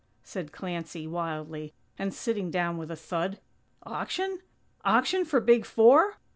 _" said Clancy, wildly, and sitting down with a thud. "Auction? Auction for Big Four?